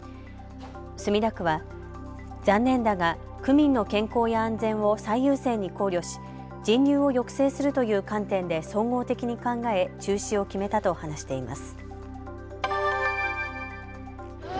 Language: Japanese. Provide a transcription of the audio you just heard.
墨田区は残念だが区民の健康や安全を最優先に考慮し人流を抑制するという観点で総合的に考え中止を決めたと話しています。